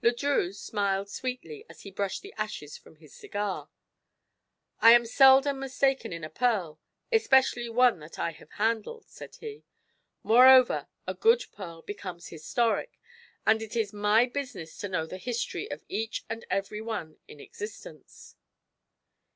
Le Drieux smiled sweetly as he brushed the ashes from his cigar. "I am seldom mistaken in a pearl, especially one that I have handled," said he. "Moreover, a good pearl becomes historic, and it is my business to know the history of each and every one in existence."